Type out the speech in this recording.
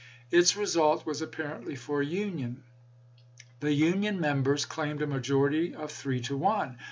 Its result was lsei. apparently for union ;. the Union members claimed a majority of three to one.